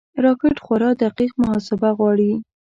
راکټ خورا دقیق محاسبه غواړي